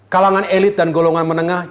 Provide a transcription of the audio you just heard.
kalangan elit dan golongan menengah